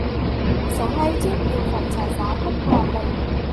Sống hay chết đều phải trả giá gấp ngàn lần